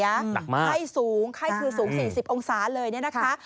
หนักมากไข้สูงไข้คือสูง๔๐องศาเลยเนี่ยนะคะ